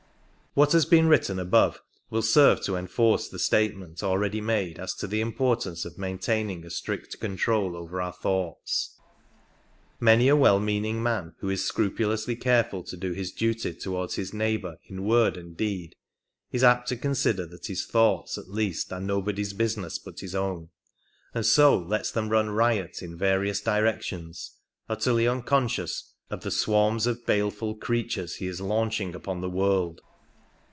71 What has been written above will serve to enforce the statement already made as to the importance of maintaining a strict control over our thoughts. Many a well meaning man, who is scrupulously careful to do his duty towards his neighbour in word and deed, is apt to consider that his thoughts at least are nobody's business but his own, and so lets them run riot in various directions, utterly unconscious of the swarms of baleful creatures he is launching upon the world.